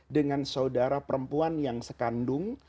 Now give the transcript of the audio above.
dengan saudara perempuan yang sekandung